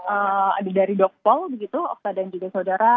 adik dari dokpol begitu okta dan juga saudara